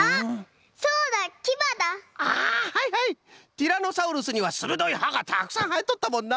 ティラノサウルスにはするどいはがたくさんはえとったもんな。